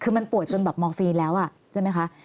คือมันป่วยจนแบบมอร์ฟีนแล้วใช่ไหมคะ